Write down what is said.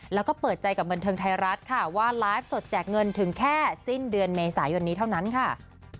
แล้วก็เปิดใจกับบันเทิงไทยรัฐค่ะว่าไลฟ์สดแจกเงินถึงแค่สิ้นเดือนเมษายนนี้เท่านั้นค่ะ